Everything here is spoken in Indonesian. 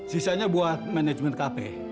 sisanya buat manajemen kp